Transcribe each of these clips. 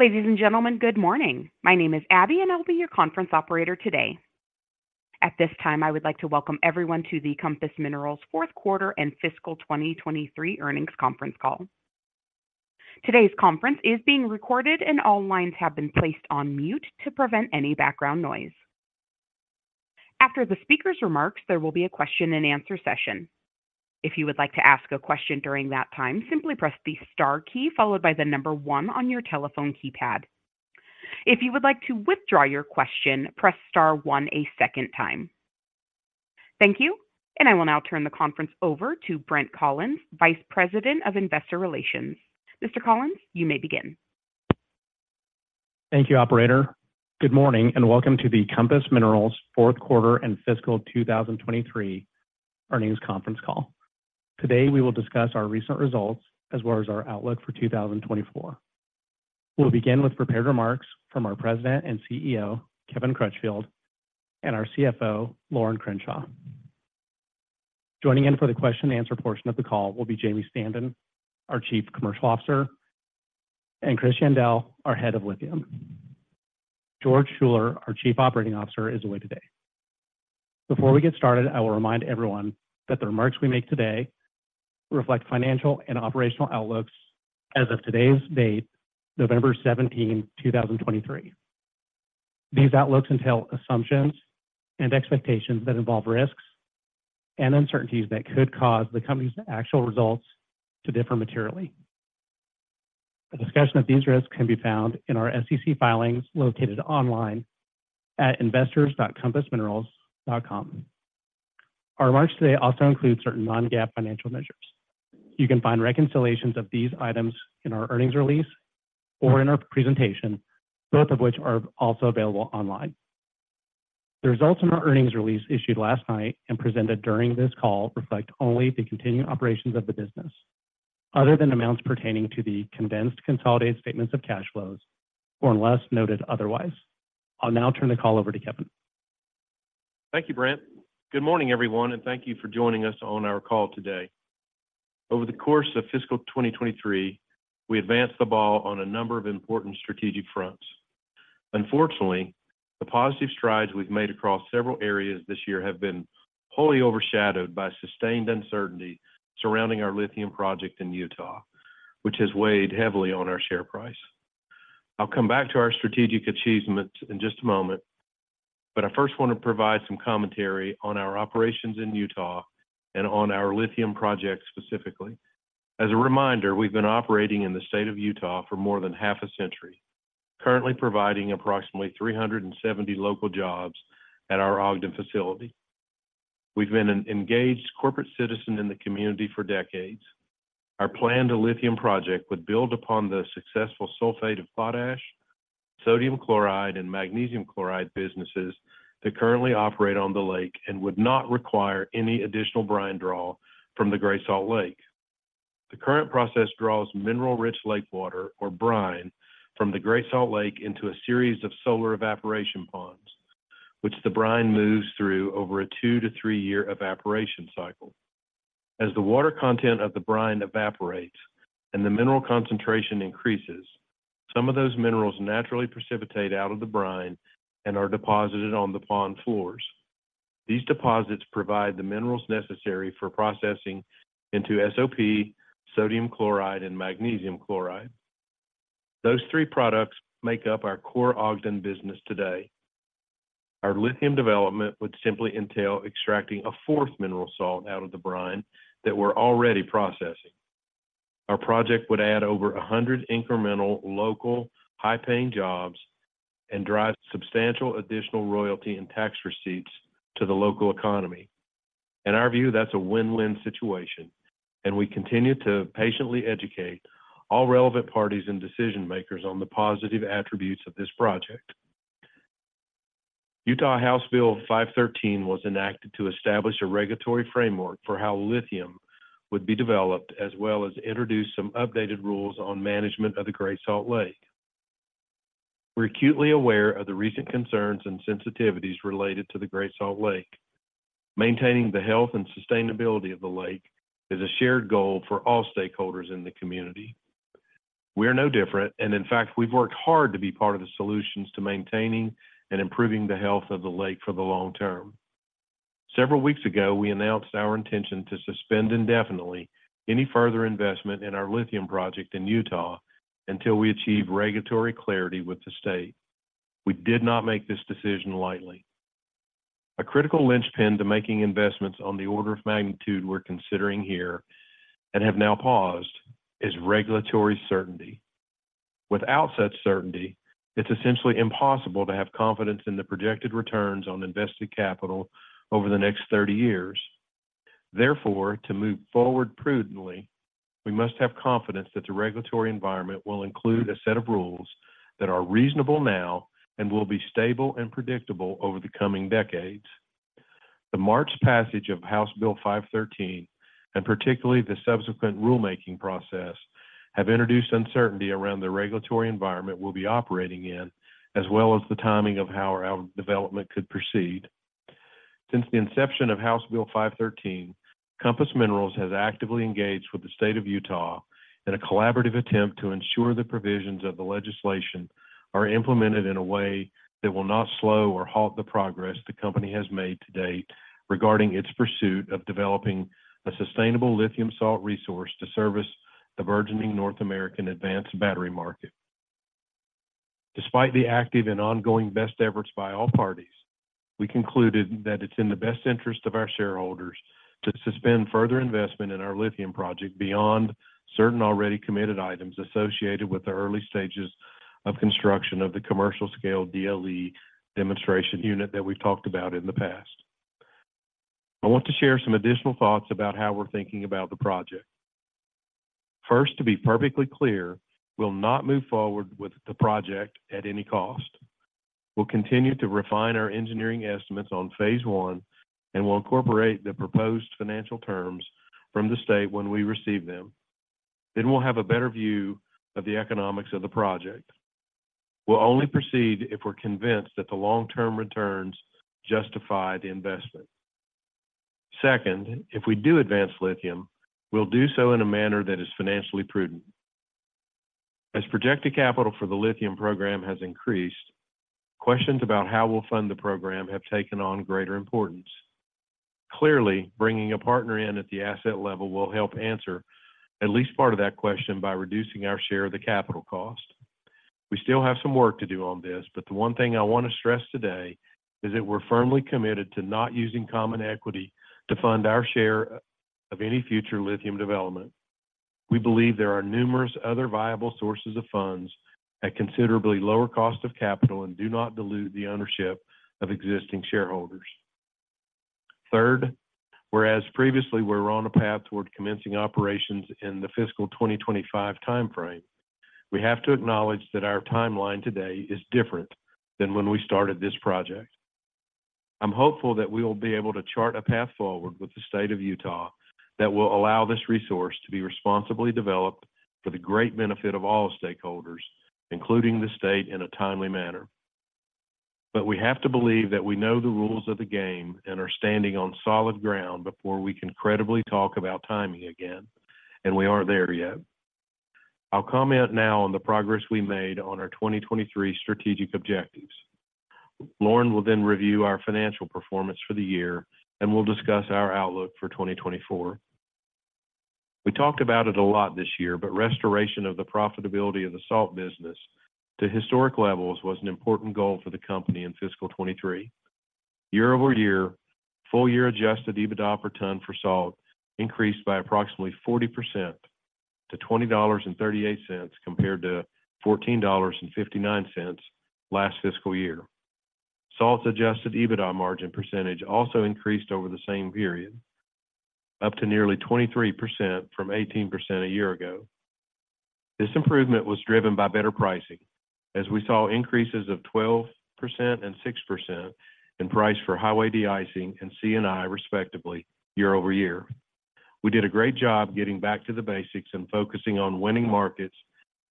Ladies and gentlemen, good morning. My name is Abby, and I'll be your conference operator today. At this time, I would like to welcome everyone to the Compass Minerals Q4 and Fiscal 2023 Earnings Conference Call. Today's conference is being recorded, and all lines have been placed on mute to prevent any background noise. After the speaker's remarks, there will be a question-and-answer session. If you would like to ask a question during that time, simply press the star key followed by the number one on your telephone keypad. If you would like to withdraw your question, press star one a second time. Thank you, and I will now turn the conference over to Brent Collins, Vice President of Investor Relations. Mr. Collins, you may begin. Thank you, operator. Good morning, and welcome to the Compass Minerals Q4 and fiscal 2023 earnings conference call. Today, we will discuss our recent results as well as our outlook for 2024. We'll begin with prepared remarks from our President and CEO, Kevin Crutchfield, and our CFO, Lorin Crenshaw. Joining in for the question and answer portion of the call will be Jamie Standen, our Chief Commercial Officer, and Chris Yandell, our Head of Lithium. George Schuller, our Chief Operating Officer, is away today. Before we get started, I will remind everyone that the remarks we make today reflect financial and operational outlooks as of today's date, 17 November 2023. These outlooks entail assumptions and expectations that involve risks and uncertainties that could cause the company's actual results to differ materially. A discussion of these risks can be found in our SEC filings, located online at investors.compassminerals.com. Our remarks today also include certain non-GAAP financial measures. You can find reconciliations of these items in our earnings release or in our presentation, both of which are also available online. The results in our earnings release, issued last night and presented during this call, reflect only the continuing operations of the business, other than amounts pertaining to the condensed consolidated statements of cash flows or unless noted otherwise. I'll now turn the call over to Kevin. Thank you, Brent. Good morning, everyone, and thank you for joining us on our call today. Over the course of fiscal 2023, we advanced the ball on a number of important strategic fronts. Unfortunately, the positive strides we've made across several areas this year have been wholly overshadowed by sustained uncertainty surrounding our lithium project in Utah, which has weighed heavily on our share price. I'll come back to our strategic achievements in just a moment, but I first want to provide some commentary on our operations in Utah and on our lithium project specifically. As a reminder, we've been operating in the state of Utah for more than half a century, currently providing approximately 370 local jobs at our Ogden facility. We've been an engaged corporate citizen in the community for decades. Our planned lithium project would build upon the successful sulfate of potash, sodium chloride, and magnesium chloride businesses that currently operate on the lake and would not require any additional brine draw from the Great Salt Lake. The current process draws mineral-rich lake water, or brine, from the Great Salt Lake into a series of solar evaporation ponds, which the brine moves through over a two to three-year evaporation cycle. As the water content of the brine evaporates and the mineral concentration increases, some of those minerals naturally precipitate out of the brine and are deposited on the pond floors. These deposits provide the minerals necessary for processing into SOP, sodium chloride, and magnesium chloride. Those three products make up our core Ogden business today. Our lithium development would simply entail extracting a fourth mineral salt out of the brine that we're already processing. Our project would add over a hundred incremental, local, high-paying jobs and drive substantial additional royalty and tax receipts to the local economy. In our view, that's a win-win situation, and we continue to patiently educate all relevant parties and decision-makers on the positive attributes of this project. Utah House Bill 513 was enacted to establish a regulatory framework for how lithium would be developed, as well as introduce some updated rules on management of the Great Salt Lake. We're acutely aware of the recent concerns and sensitivities related to the Great Salt Lake. Maintaining the health and sustainability of the lake is a shared goal for all stakeholders in the community. We are no different, and in fact, we've worked hard to be part of the solutions to maintaining and improving the health of the lake for the long term. Several weeks ago, we announced our intention to suspend indefinitely any further investment in our lithium project in Utah until we achieve regulatory clarity with the state. We did not make this decision lightly. A critical linchpin to making investments on the order of magnitude we're considering here and have now paused is regulatory certainty. Without such certainty, it's essentially impossible to have confidence in the projected returns on invested capital over the next 30 years. Therefore, to move forward prudently, we must have confidence that the regulatory environment will include a set of rules that are reasonable now and will be stable and predictable over the coming decades. The March passage of House Bill 513, and particularly the subsequent rulemaking process, have introduced uncertainty around the regulatory environment we'll be operating in, as well as the timing of how our development could proceed.... Since the inception of House Bill 513, Compass Minerals has actively engaged with the state of Utah in a collaborative attempt to ensure the provisions of the legislation are implemented in a way that will not slow or halt the progress the company has made to date regarding its pursuit of developing a sustainable lithium salt resource to service the burgeoning North American advanced battery market. Despite the active and ongoing best efforts by all parties, we concluded that it's in the best interest of our shareholders to suspend further investment in our lithium project beyond certain already committed items associated with the early stages of construction of the commercial scale DLE demonstration unit that we've talked about in the past. I want to share some additional thoughts about how we're thinking about the project. First, to be perfectly clear, we'll not move forward with the project at any cost. We'll continue to refine our engineering estimates on phase one, and we'll incorporate the proposed financial terms from the state when we receive them. Then we'll have a better view of the economics of the project. We'll only proceed if we're convinced that the long-term returns justify the investment. Second, if we do advance lithium, we'll do so in a manner that is financially prudent. As projected capital for the lithium program has increased, questions about how we'll fund the program have taken on greater importance. Clearly, bringing a partner in at the asset level will help answer at least part of that question by reducing our share of the capital cost. We still have some work to do on this, but the one thing I want to stress today is that we're firmly committed to not using common equity to fund our share of any future lithium development. We believe there are numerous other viable sources of funds at considerably lower cost of capital and do not dilute the ownership of existing shareholders. Third, whereas previously we were on a path toward commencing operations in the fiscal 2025 timeframe, we have to acknowledge that our timeline today is different than when we started this project. I'm hopeful that we will be able to chart a path forward with the state of Utah that will allow this resource to be responsibly developed for the great benefit of all stakeholders, including the state, in a timely manner. We have to believe that we know the rules of the game and are standing on solid ground before we can credibly talk about timing again, and we aren't there yet. I'll comment now on the progress we made on our 2023 strategic objectives. Lorin will then review our financial performance for the year, and we'll discuss our outlook for 2024. We talked about it a lot this year, but restoration of the profitability of the salt business to historic levels was an important goal for the company in fiscal 2023. Year-over-year, full year adjusted EBITDA per ton for salt increased by approximately 40% to $20.38, compared to $14.59 last fiscal year. Salt's adjusted EBITDA margin percentage also increased over the same period, up to nearly 23% from 18% a year ago. This improvement was driven by better pricing, as we saw increases of 12% and 6% in price for highway de-icing and C&I, respectively, year over year. We did a great job getting back to the basics and focusing on winning markets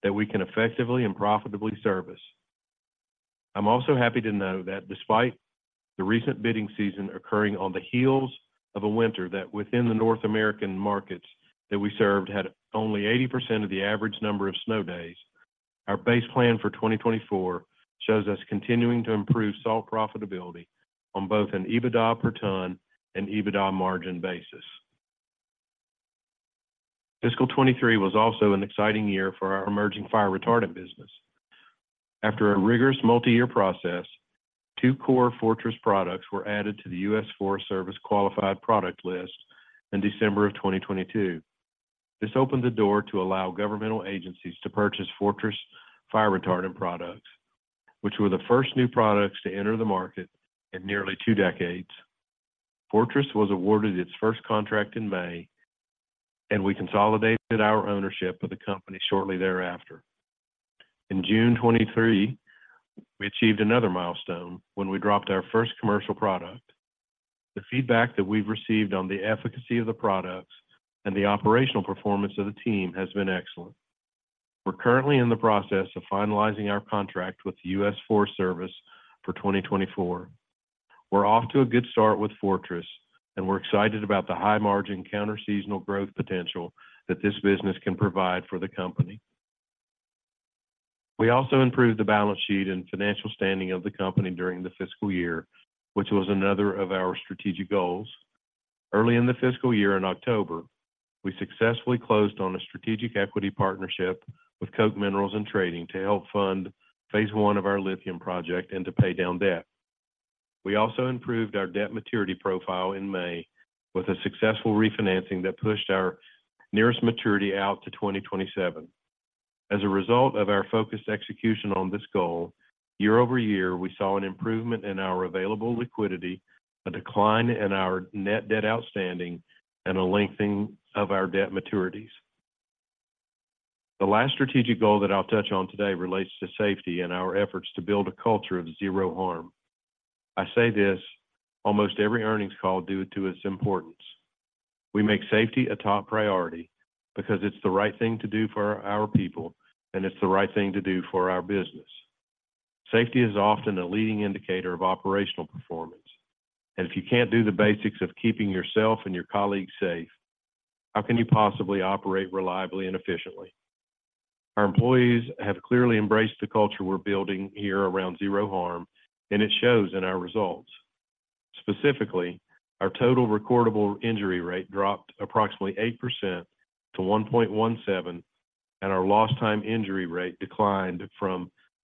that we can effectively and profitably service. I'm also happy to know that despite the recent bidding season occurring on the heels of a winter that within the North American markets that we served had only 80% of the average number of snow days, our base plan for 2024 shows us continuing to improve salt profitability on both an EBITDA per ton and EBITDA margin basis. Fiscal 2023 was also an exciting year for our emerging fire retardant business. After a rigorous multi-year process, two core Fortress products were added to the U.S. Forest Service Qualified Product List in December of 2022. This opened the door to allow governmental agencies to purchase Fortress fire retardant products, which were the first new products to enter the market in nearly two decades. Fortress was awarded its first contract in May, and we consolidated our ownership of the company shortly thereafter. In June 2023, we achieved another milestone when we dropped our first commercial product. The feedback that we've received on the efficacy of the products and the operational performance of the team has been excellent. We're currently in the process of finalizing our contract with the U.S. Forest Service for 2024. We're off to a good start with Fortress, and we're excited about the high margin, counterseasonal growth potential that this business can provide for the company. We also improved the balance sheet and financial standing of the company during the fiscal year, which was another of our strategic goals. Early in the fiscal year, in October, we successfully closed on a strategic equity partnership with Koch Minerals and Trading to help fund phase one of our lithium project and to pay down debt. We also improved our debt maturity profile in May with a successful refinancing that pushed our nearest maturity out to 2027. As a result of our focused execution on this goal, year-over-year, we saw an improvement in our available liquidity, a decline in our net debt outstanding, and a lengthening of our debt maturities. The last strategic goal that I'll touch on today relates to safety and our efforts to build a culture of zero harm. I say this almost every earnings call due to its importance. We make safety a top priority, because it's the right thing to do for our people, and it's the right thing to do for our business. Safety is often a leading indicator of operational performance, and if you can't do the basics of keeping yourself and your colleagues safe, how can you possibly operate reliably and efficiently? Our employees have clearly embraced the culture we're building here around zero harm, and it shows in our results. Specifically, our total recordable injury rate dropped approximately 8% to 1.17, and our lost time injury rate declined to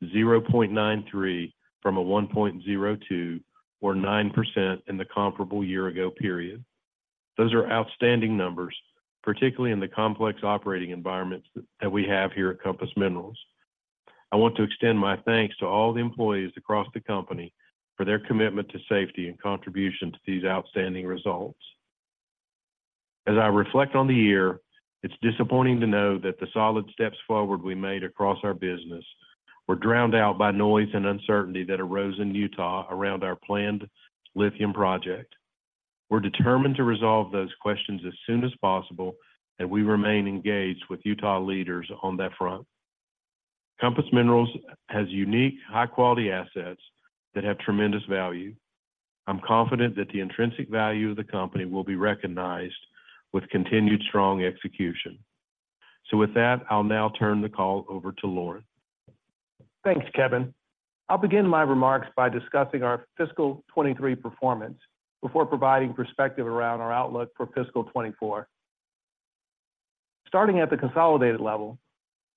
0.93 from 1.02, or 9% in the comparable year-ago period. Those are outstanding numbers, particularly in the complex operating environments that we have here at Compass Minerals. I want to extend my thanks to all the employees across the company for their commitment to safety and contribution to these outstanding results. As I reflect on the year, it's disappointing to know that the solid steps forward we made across our business were drowned out by noise and uncertainty that arose in Utah around our planned lithium project. We're determined to resolve those questions as soon as possible, and we remain engaged with Utah leaders on that front. Compass Minerals has unique, high-quality assets that have tremendous value. I'm confident that the intrinsic value of the company will be recognized with continued strong execution. With that, I'll now turn the call over to Lorin. Thanks, Kevin. I'll begin my remarks by discussing our fiscal 2023 performance before providing perspective around our outlook for fiscal 2024. Starting at the consolidated level,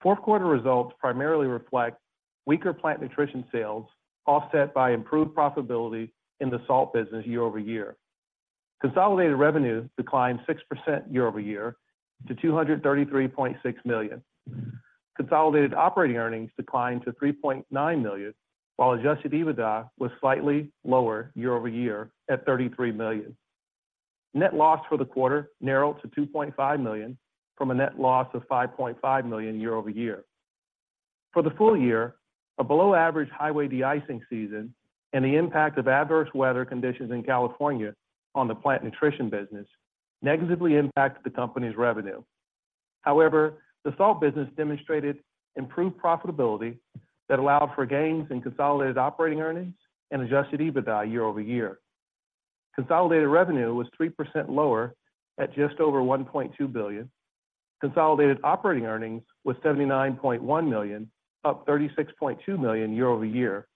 Q4 results primarily reflect weaker plant nutrition sales, offset by improved profitability in the salt business year-over-year. Consolidated revenue declined 6% year-over-year to $233.6 million. Consolidated operating earnings declined to $3.9 million, while Adjusted EBITDA was slightly lower year-over-year at $33 million. Net loss for the quarter narrowed to $2.5 million, from a net loss of $5.5 million year-over-year. For the full year, a below-average highway de-icing season and the impact of adverse weather conditions in California on the plant nutrition business negatively impacted the company's revenue. However, the salt business demonstrated improved profitability that allowed for gains in consolidated operating earnings and adjusted EBITDA year-over-year. Consolidated revenue was 3% lower at just over $1.2 billion. Consolidated operating earnings was $79.1 million, up $36.2 million year-over-year,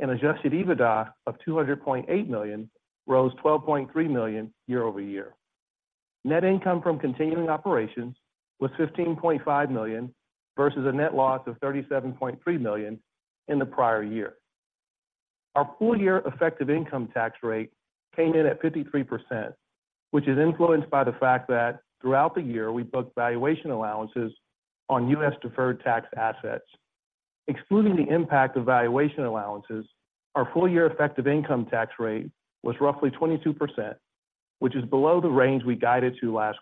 and adjusted EBITDA of $200.8 million, rose $12.3 million year-over-year. Net income from continuing operations was $15.5 million versus a net loss of $37.3 million in the prior year. Our full year effective income tax rate came in at 53%, which is influenced by the fact that throughout the year, we booked valuation allowances on U.S. deferred tax assets. Excluding the impact of valuation allowances, our full year effective income tax rate was roughly 22%, which is below the range we guided to last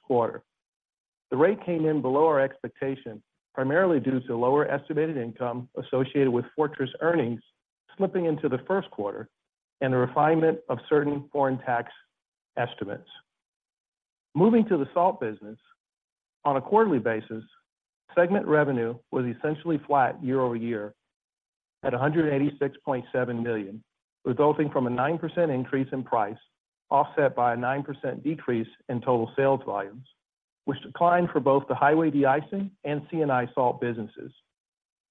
quarter. The rate came in below our expectation, primarily due to lower estimated income associated with Fortress earnings slipping into the Q1 and the refinement of certain foreign tax estimates. Moving to the salt business. On a quarterly basis, segment revenue was essentially flat year-over-year at $186.7 million, resulting from a 9% increase in price, offset by a 9% decrease in total sales volumes, which declined for both the highway de-icing and C&I salt businesses.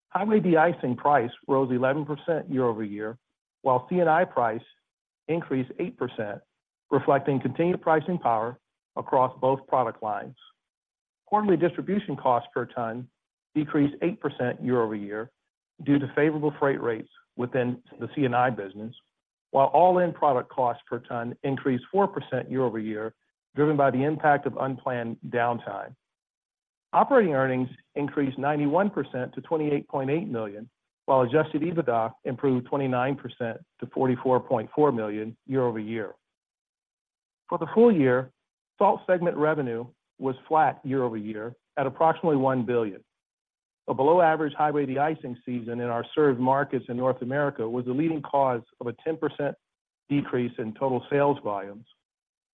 Highway de-icing price rose 11% year-over-year, while C&I price increased 8%, reflecting continued pricing power across both product lines. Quarterly distribution costs per ton decreased 8% year-over-year due to favorable freight rates within the C&I business, while all-in product costs per ton increased 4% year-over-year, driven by the impact of unplanned downtime. Operating earnings increased 91% to $28.8 million, while Adjusted EBITDA improved 29% to $44.4 million year-over-year. For the full year, salt segment revenue was flat year-over-year at approximately $1 billion. A below-average highway de-icing season in our served markets in North America was the leading cause of a 10% decrease in total sales volumes,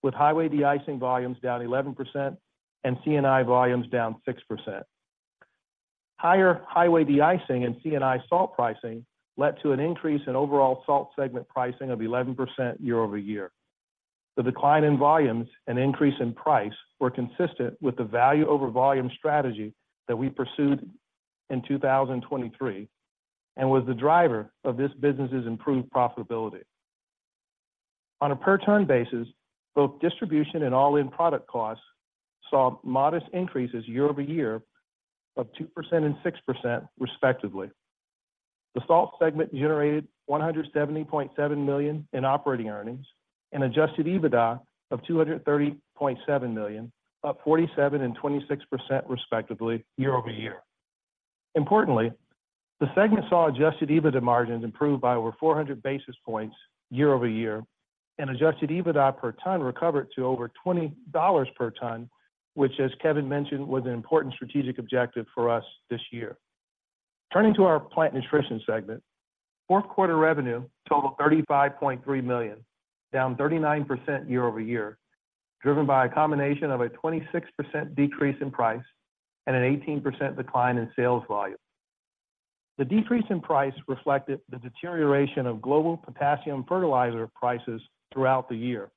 with highway de-icing volumes down 11% and C&I volumes down 6%. Higher highway de-icing and C&I salt pricing led to an increase in overall salt segment pricing of 11% year-over-year. The decline in volumes and increase in price were consistent with the value over volume strategy that we pursued in 2023 and was the driver of this business's improved profitability. On a per ton basis, both distribution and all-in product costs saw modest increases year-over-year of 2% and 6%, respectively. The salt segment generated $170.7 million in operating earnings, an adjusted EBITDA of $230.7 million, up 47% and 26%, respectively, year-over-year. Importantly, the segment saw adjusted EBITDA margins improve by over 400 basis points year-over-year, and adjusted EBITDA per ton recovered to over $20 per ton, which, as Kevin mentioned, was an important strategic objective for us this year. Turning to our Plant Nutrition segment, Q4 revenue totaled $35.3 million, down 39% year-over-year, driven by a combination of a 26% decrease in price and an 18% decline in sales volume. The decrease in price reflected the deterioration of global potassium fertilizer prices throughout the year.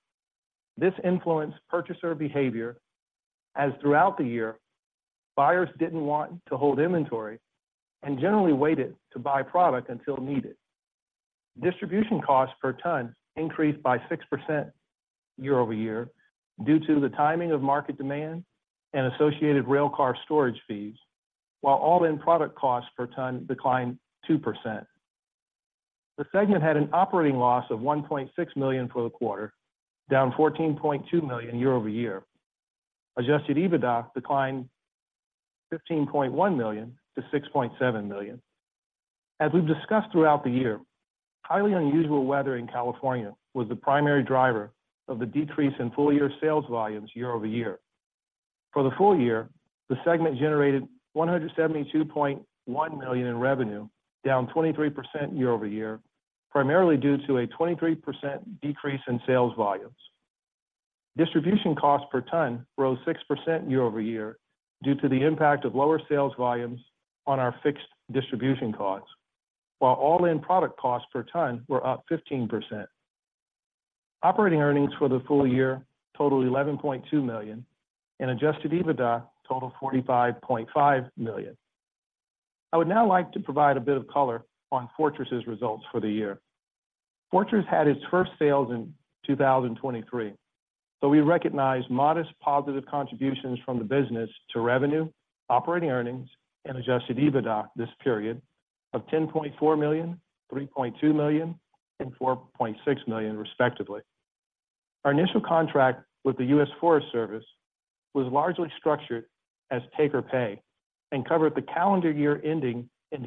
This influenced purchaser behavior, as throughout the year, buyers didn't want to hold inventory and generally waited to buy product until needed. Distribution costs per ton increased by 6% year-over-year due to the timing of market demand and associated rail car storage fees, while all-in product costs per ton declined 2%. The segment had an operating loss of $1.6 million for the quarter, down $14.2 million year-over-year. Adjusted EBITDA declined $15.1 million to $6.7 million. As we've discussed throughout the year, highly unusual weather in California was the primary driver of the decrease in full-year sales volumes year-over-year. For the full year, the segment generated $172.1 million in revenue, down 23% year-over-year, primarily due to a 23% decrease in sales volumes. Distribution costs per ton rose 6% year-over-year due to the impact of lower sales volumes on our fixed distribution costs, while all-in product costs per ton were up 15%. Operating earnings for the full year totaled $11.2 million, and Adjusted EBITDA totaled $45.5 million. I would now like to provide a bit of color on Fortress's results for the year. Fortress had its first sales in 2023, so we recognized modest positive contributions from the business to revenue, operating earnings, and Adjusted EBITDA this period of $10.4 million, $3.2 million, and $4.6 million respectively. Our initial contract with the U.S. Forest Service was largely structured as take or pay and covered the calendar year ending in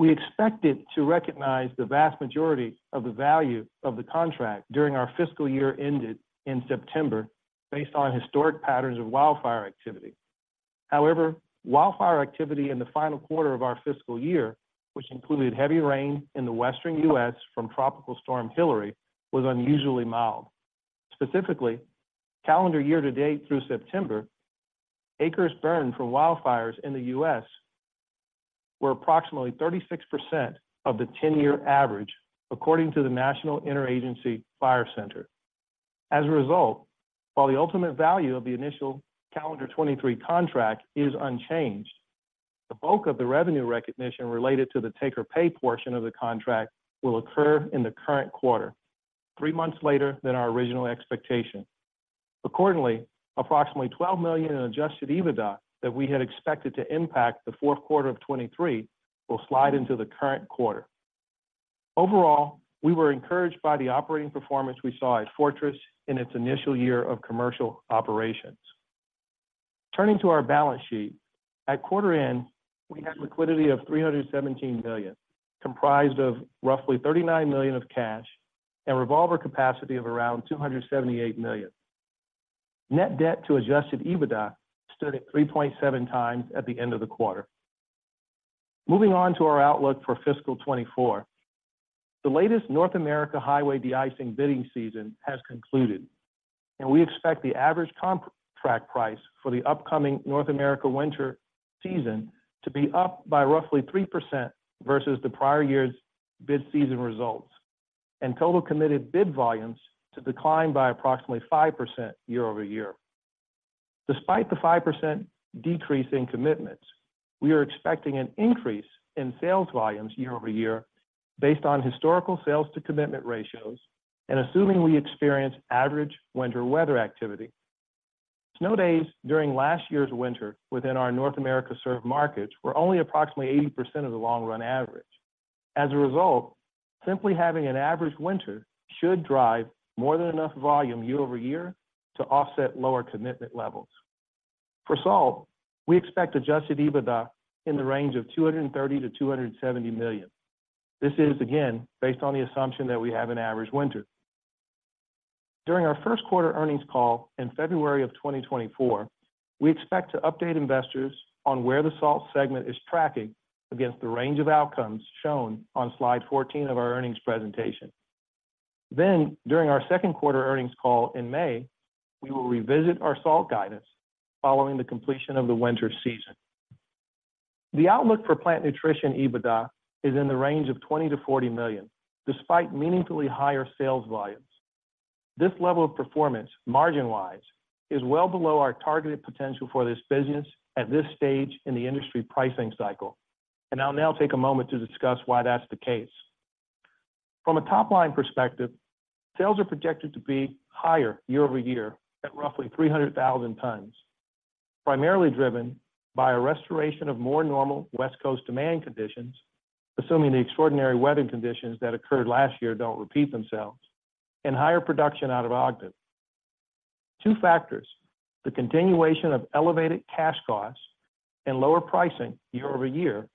December 2023. We expected to recognize the vast majority of the value of the contract during our fiscal year ended in September, based on historic patterns of wildfire activity. However, wildfire activity in the final quarter of our fiscal year, which included heavy rain in the Western U.S. from Tropical Storm Hilary, was unusually mild. Specifically, calendar year to date through September, acres burned from wildfires in the U.S. were approximately 36% of the 10-year average, according to the National Interagency Fire Center. As a result, while the ultimate value of the initial calendar 2023 contract is unchanged, the bulk of the revenue recognition related to the take or pay portion of the contract will occur in the current quarter, three months later than our original expectation. Accordingly, approximately $12 million in Adjusted EBITDA that we had expected to impact the Q4 of 2023 will slide into the current quarter. Overall, we were encouraged by the operating performance we saw at Fortress in its initial year of commercial operations. Turning to our balance sheet. At quarter end, we had liquidity of $317 million, comprised of roughly $39 million of cash and revolver capacity of around $278 million. Net debt to Adjusted EBITDA stood at 3.7 times at the end of the quarter. Moving on to our outlook for fiscal 2024. The latest North America highway de-icing bidding season has concluded, and we expect the average contract price for the upcoming North America winter season to be up by roughly 3% versus the prior year's bid season results, and total committed bid volumes to decline by approximately 5% year-over-year. Despite the 5% decrease in commitments, we are expecting an increase in sales volumes year-over-year based on historical sales to commitment ratios and assuming we experience average winter weather activity. Snow days during last year's winter within our North America served markets were only approximately 80% of the long-run average. As a result, simply having an average winter should drive more than enough volume year-over-year to offset lower commitment levels. For salt, we expect Adjusted EBITDA in the range of $230 million-$270 million. This is, again, based on the assumption that we have an average winter. During our Q1 earnings call in February 2024, we expect to update investors on where the salt segment is tracking against the range of outcomes shown on slide 14 of our earnings presentation. Then, during our Q2 earnings call in May, we will revisit our salt guidance following the completion of the winter season. The outlook for plant nutrition EBITDA is in the range of $20 million-$40 million, despite meaningfully higher sales volumes. This level of performance, margin-wise, is well below our targeted potential for this business at this stage in the industry pricing cycle, and I'll now take a moment to discuss why that's the case. From a top-line perspective, sales are projected to be higher year-over-year at roughly 300,000 tons, primarily driven by a restoration of more normal West Coast demand conditions, assuming the extraordinary weather conditions that occurred last year don't repeat themselves, and higher production out of Ogden. Two factors: the continuation of elevated cash costs and lower pricing year-over-year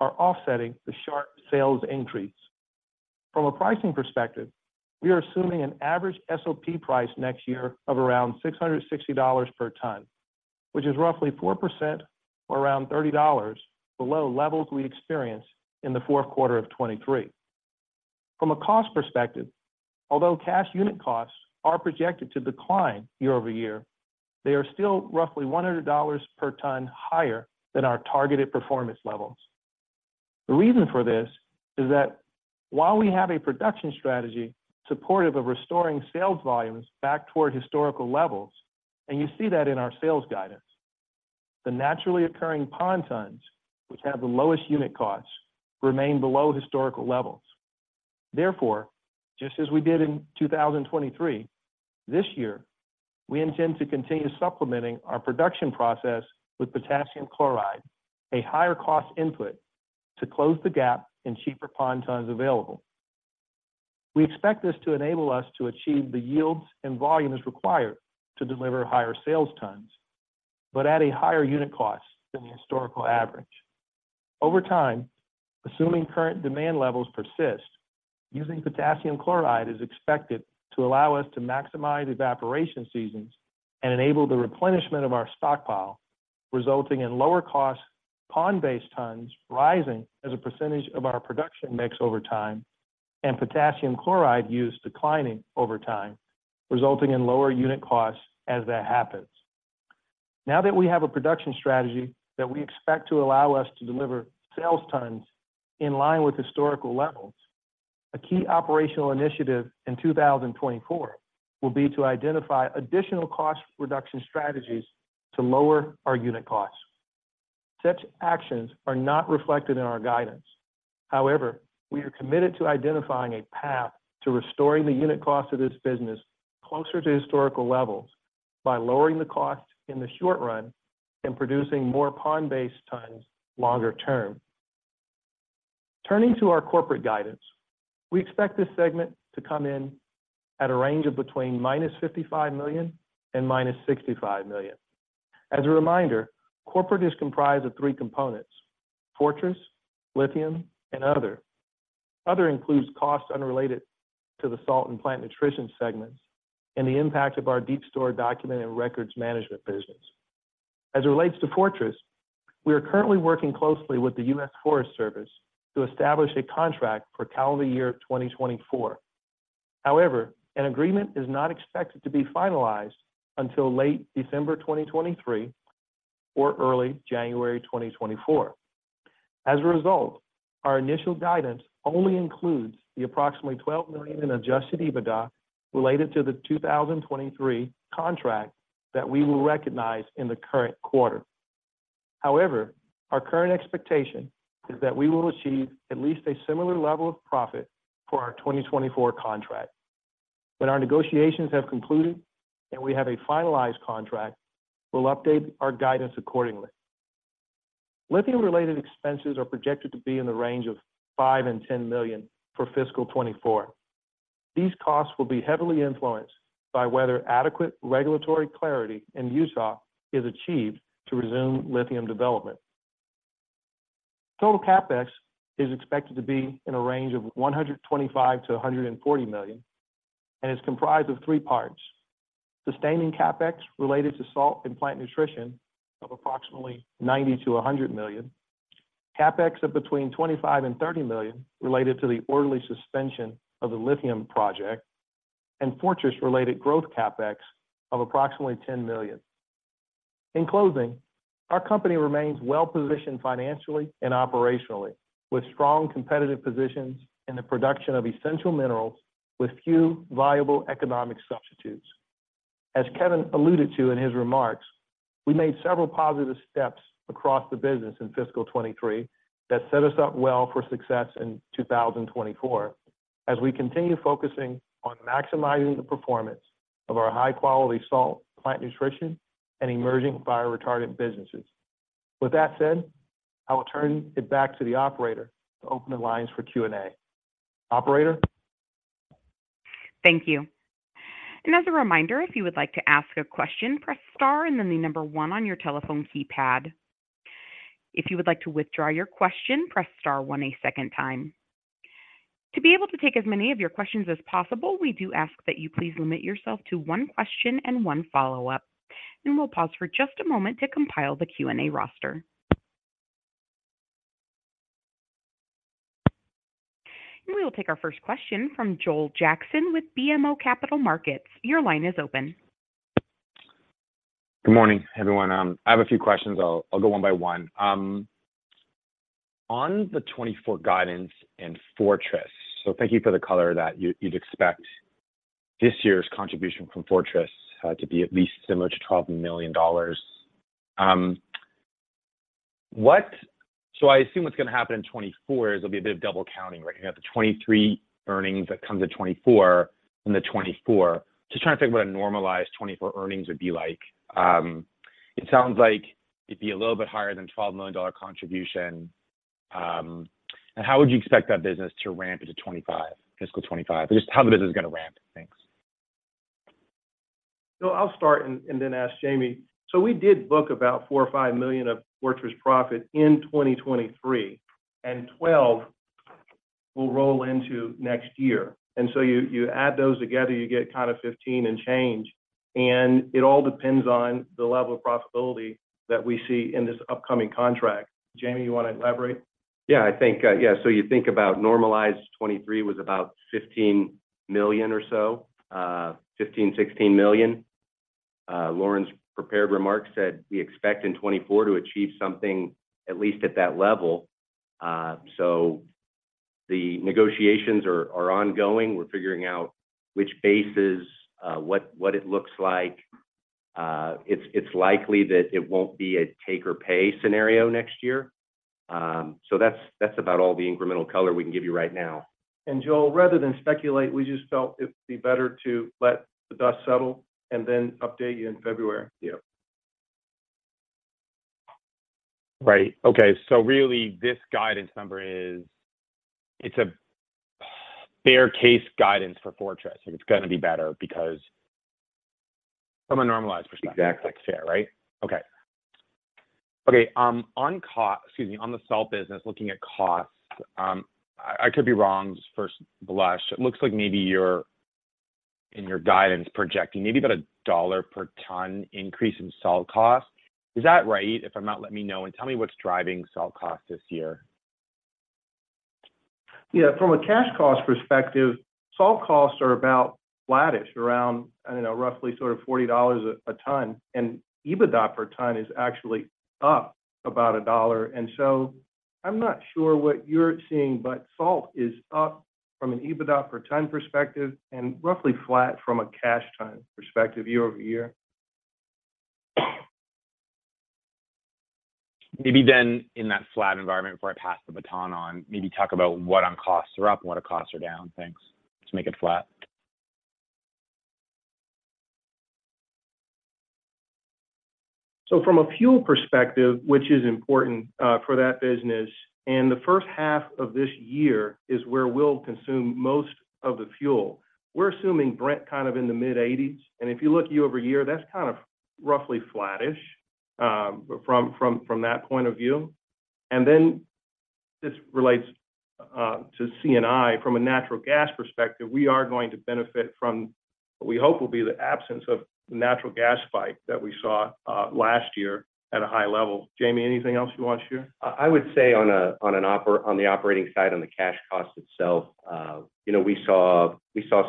are offsetting the sharp sales increase. From a pricing perspective, we are assuming an average SOP price next year of around $660 per ton, which is roughly 4% or around $30 below levels we experienced in the Q4 of 2023. From a cost perspective, although cash unit costs are projected to decline year-over-year, they are still roughly $100 per ton higher than our targeted performance levels. The reason for this is that while we have a production strategy supportive of restoring sales volumes back toward historical levels, and you see that in our sales guidance, the naturally occurring pond tons, which have the lowest unit costs, remain below historical levels. Therefore, just as we did in 2023, this year, we intend to continue supplementing our production process with potassium chloride, a higher cost input, to close the gap in cheaper pond tons available. We expect this to enable us to achieve the yields and volumes required to deliver higher sales tons, but at a higher unit cost than the historical average. Over time, assuming current demand levels persist, using potassium chloride is expected to allow us to maximize evaporation seasons and enable the replenishment of our stockpile, resulting in lower cost pond-based tons rising as a percentage of our production mix over time, and potassium chloride use declining over time, resulting in lower unit costs as that happens. Now that we have a production strategy that we expect to allow us to deliver sales tons in line with historical levels, a key operational initiative in 2024 will be to identify additional cost reduction strategies to lower our unit costs. Such actions are not reflected in our guidance. However, we are committed to identifying a path to restoring the unit cost of this business closer to historical levels by lowering the cost in the short run and producing more pond-based tons longer term. Turning to our corporate guidance, we expect this segment to come in at a range of between -$55 million and -$65 million. As a reminder, corporate is comprised of three components: Fortress, Lithium, and other. Other includes costs unrelated to the salt and plant nutrition segments and the impact of our DeepStore document and records management business. As it relates to Fortress, we are currently working closely with the U.S. Forest Service to establish a contract for calendar year 2024. However, an agreement is not expected to be finalized until late December 2023 or early January 2024. As a result, our initial guidance only includes the approximately $12 million in Adjusted EBITDA related to the 2023 contract that we will recognize in the current quarter. However, our current expectation is that we will achieve at least a similar level of profit for our 2024 contract. When our negotiations have concluded and we have a finalized contract, we'll update our guidance accordingly. Lithium-related expenses are projected to be in the range of $5-$10 million for fiscal 2024. These costs will be heavily influenced by whether adequate regulatory clarity in Utah is achieved to resume lithium development. Total CapEx is expected to be in a range of $125 to 140 million, and is comprised of three parts: sustaining CapEx related to salt and plant nutrition of approximately $90 to 100 million, CapEx of between $25 and $30 million related to the orderly suspension of the lithium project, and Fortress-related growth CapEx of approximately $10 million. In closing, our company remains well-positioned financially and operationally, with strong competitive positions in the production of essential minerals with few viable economic substitutes. As Kevin alluded to in his remarks, we made several positive steps across the business in fiscal 2023 that set us up well for success in 2024, as we continue focusing on maximizing the performance of our high-quality salt, plant nutrition, and emerging fire retardant businesses. With that said, I will turn it back to the operator to open the lines for Q&A. Operator? Thank you. As a reminder, if you would like to ask a question, press Star and then the number one on your telephone keypad. If you would like to withdraw your question, press Star One a second time. To be able to take as many of your questions as possible, we do ask that you please limit yourself to one question and one follow-up, and we'll pause for just a moment to compile the Q&A roster. We will take our first question from Joel Jackson with BMO Capital Markets. Your line is open. Good morning, everyone. I have a few questions. I'll, I'll go one by one. On the 2024 guidance and Fortress. Thank you for the color that you, you'd expect this year's contribution from Fortress to be at least similar to $12 million. I assume what's gonna happen in 2024 is there'll be a bit of double counting, right? You have the 2023 earnings that come to 2024 and the 2024. Just trying to think what a normalized 2024 earnings would be like. It sounds like it'd be a little bit higher than $12 million contribution. And how would you expect that business to ramp into 2025, fiscal 2025? Just how the business is gonna ramp? I'll start and then ask Jamie. We did book about $4 to 5 million of Fortress profit in 2023, and $12 million will roll into next year. And so you add those together, you get kind of 15 and change, and it all depends on the level of profitability that we see in this upcoming contract. Jamie, you want to elaborate? I think, yeah. You think about normalized 2023 was about $15 million or so, $15 to 16 million. Lorin’s prepared remarks said we expect in 2024 to achieve something at least at that level. So the negotiations are ongoing. We're figuring out which bases, what it looks like. It's likely that it won't be a take or pay scenario next year. So that's about all the incremental color we can give you right now. Joel, rather than speculate, we just felt it would be better to let the dust settle, and then update you in February. Right. Okay, so really, this guidance number is—it's a bare case guidance for Fortress, and it's gonna be better because from a normalized perspective- Exactly. Like, fair, right? Okay. Okay, on cost, excuse me, on the salt business, looking at costs, I, I could be wrong, just first blush. It looks like maybe you're, in your guidance, projecting maybe about $1 per ton increase in salt cost. Is that right? If I'm not, let me know, and tell me what's driving salt cost this year. Yeah, from a cash cost perspective, salt costs are about flattish, around, I don't know, roughly sort of $40 a ton, and EBITDA per ton is actually up about $1. I'm not sure what you're seeing, but salt is up from an EBITDA per ton perspective and roughly flat from a cash ton perspective year-over-year. Maybe then, in that flat environment, before I pass the baton on, maybe talk about what costs are up and what costs are down. Thanks. To make it flat. From a fuel perspective, which is important for that business, and the first half of this year is where we'll consume most of the fuel. We're assuming Brent kind of in the mid-80s, and if you look year-over-year, that's kind of roughly flattish from that point of view. This relates to C&I. From a natural gas perspective, we are going to benefit from what we hope will be the absence of the natural gas spike that we saw last year at a high level. Jamie, anything else you want to share? I would say on the operating side, on the cash cost itself, you know, we saw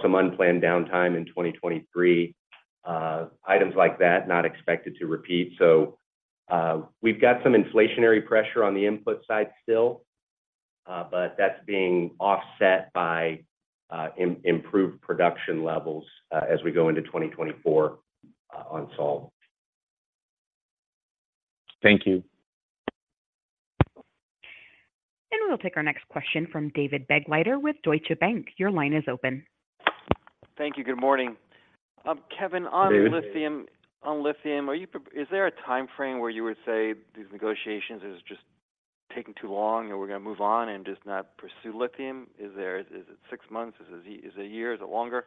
some unplanned downtime in 2023. Items like that, not expected to repeat. So, we've got some inflationary pressure on the input side still, but that's being offset by improved production levels, as we go into 2024, on salt. Thank you. We'll take our next question from David Begleiter with Deutsche Bank. Your line is open. Thank you. Good morning. Kevin. David. On lithium, is there a time frame where you would say these negotiations is just taking too long, and we're gonna move on and just not pursue lithium? Is it six months? Is it, is it a year? Is it longer?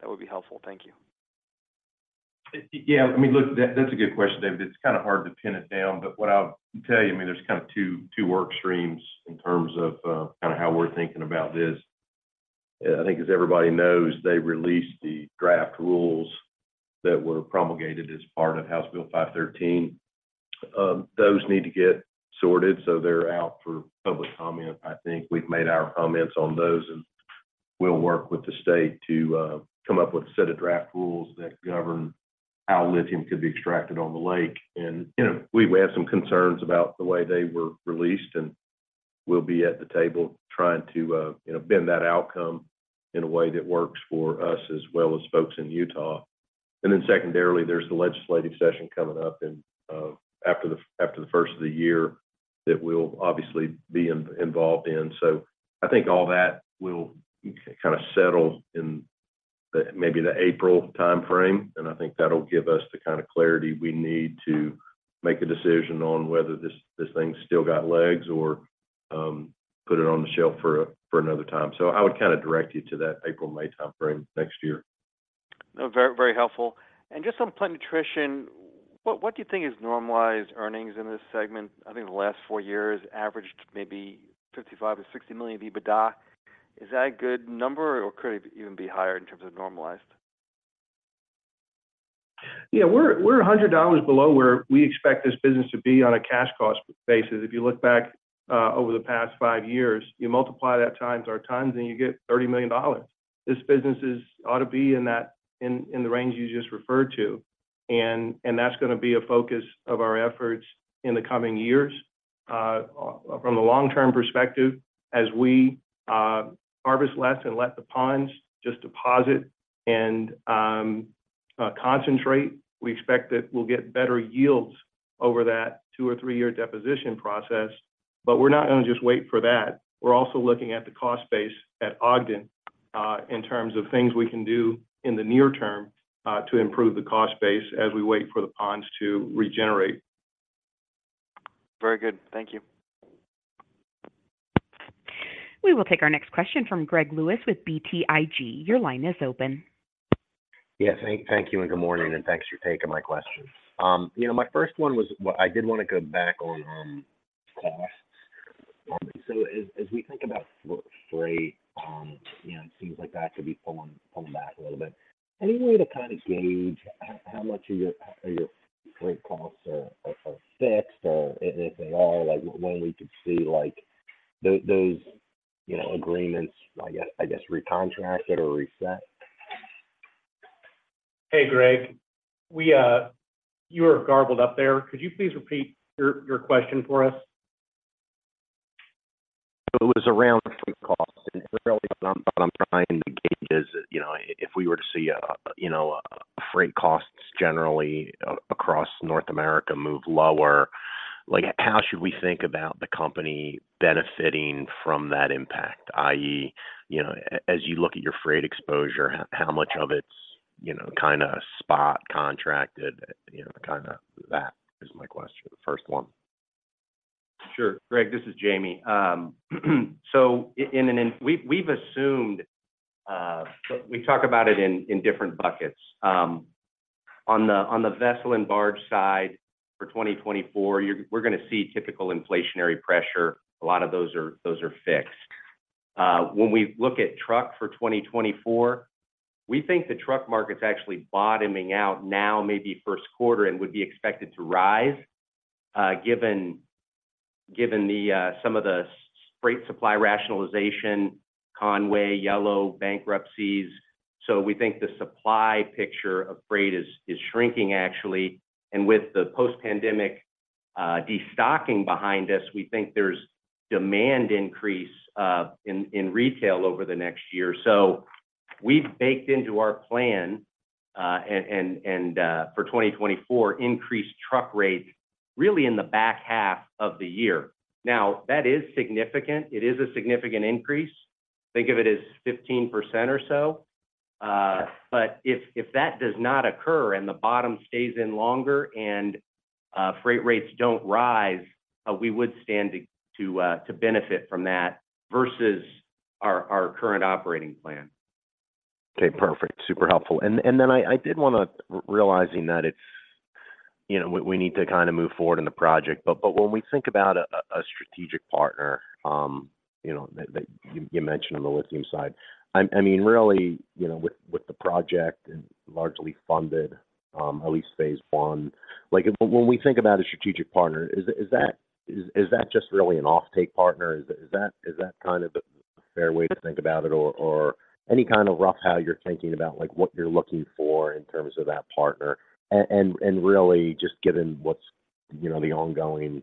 That would be helpful. Thank you. Look, that's a good question, David. It's kind of hard to pin it down, but what I'll tell you, I mean, there's kind of two work streams in terms of, kind of how we're thinking about this. I think as everybody knows, they released the draft rules that were promulgated as part of House Bill 513. Those need to get sorted, so they're out for public comment. I think we've made our comments on those, and we'll work with the state to come up with a set of draft rules that govern how lithium could be extracted on the lake. You know, we, we had some concerns about the way they were released, and we'll be at the table trying to, you know, bend that outcome in a way that works for us as well as folks in Utah. Secondarily, there's the legislative session coming up after the first of the year that we'll obviously be involved in. I think all that will kind of settle in the, maybe the April time frame, and I think that'll give us the kind of clarity we need to make a decision on whether this, this thing's still got legs or put it on the shelf for another time. So I would kind of direct you to that April to May time frame next year. Very, very helpful. Just on plant nutrition, what, what do you think is normalized earnings in this segment? I think the last four years averaged maybe $55 to 60 million in EBITDA. Is that a good number, or could it even be higher in terms of normalized? We're, we're $100 below where we expect this business to be on a cash cost basis. If you look back over the past 5 years, you multiply that times our tons, and you get $30 million. This business is ought to be in that, in, in the range you just referred to, and, and that's gonna be a focus of our efforts in the coming years. From the long-term perspective, as we harvest less and let the ponds just deposit and concentrate, we expect that we'll get better yields over that two or three-year deposition process. We're not going to a just wait for that. We're also looking at the cost base at Ogden, in terms of things we can do in the near term, to improve the cost base as we wait for the ponds to regenerate. Very good. Thank you. We will take our next question from Greg Lewis with BTIG. Your line is open. Yes, thank you, and good morning, and thanks for taking my questions. You know, my first one was what I did want to go back on, costs. As we think about freight, you know, and things like that could be pulling back a little bit. Any way to kind of gauge how much of your freight costs are fixed or if at all, like when we could see like those, you know, agreements, I guess recontracted or reset? Hey, Greg, you were garbled up there. Could you please repeat your question for us? It was around freight costs, and really what I'm trying to gauge is, you know, if we were to see, you know, freight costs generally across North America move lower, like how should we think about the company benefiting from that impact? i.e., you know, as you look at your freight exposure, how much of it's, you know, kind spot contracted, you know, kind that is my question. The first one. Sure. Greg, this is Jamie. We've assumed we talk about it in different buckets. On the vessel and barge side for 2024, we're gonna see typical inflationary pressure. A lot of those are fixed. When we look at truck for 2024, we think the truck market's actually bottoming out now, maybe Q1, and would be expected to rise given some of the freight supply rationalization, Convoy, Yellow bankruptcies. We think the supply picture of freight is shrinking, actually, and with the post-pandemic destocking behind us, we think there's demand increase in retail over the next year. So we've baked into our plan for 2024 increased truck rates really in the back half of the year. Now, that is significant. It is a significant increase. Think of it as 15% or so. But if that does not occur, and the bottom stays in longer and freight rates don't rise, we would stand to benefit from that versus our current operating plan. Okay, perfect. Super helpful. And then I did want to realizing that it's, you know, we need to kind of move forward in the project. But when we think about a strategic partner, you know, that you mentioned on the lithium side, I mean, really, you know, with the project largely funded, at least phase one, like when we think about a strategic partner, is that just really an offtake partner? Is that kind of a fair way to think about it or any kind of rough how you're thinking about, like, what you're looking for in terms of that partner? Really just given what's, you know, the ongoing,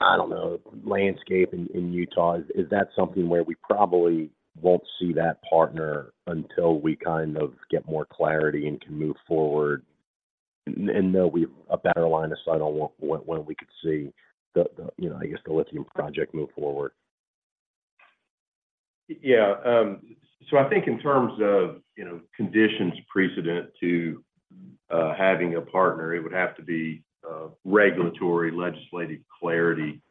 I don't know, landscape in Utah, is that something where we probably won't see that partner until we kind of get more clarity and can move forward and know we have a better line of sight on what, when we could see the, you know, I guess the lithium project move forward? I think in terms of, you know, conditions precedent to having a partner, it would have to be regulatory, legislative clarity